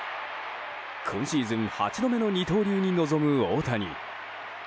今シーズン８度目の二刀流に臨む大谷。